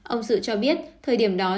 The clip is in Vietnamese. ông sự cho biết thời điểm đó